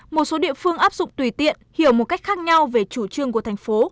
một số địa phương áp dụng tùy tiện hiểu một cách khác nhau về chủ trương của thành phố